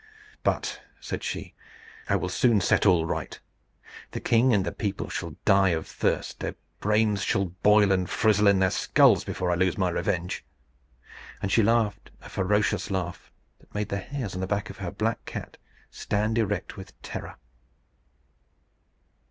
"But," said she, "I will soon set all right. The king and the people shall die of thirst; their brains shall boil and frizzle in their skulls before I will lose my revenge." And she laughed a ferocious laugh, that made the hairs on the back of her black cat stand erect with terror.